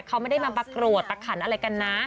เขาไม่ได้มาประกวดประขันอะไรกันนะ